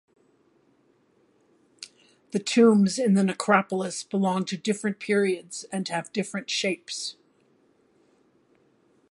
The tombs in the necropolis belong to different periods and have different shapes.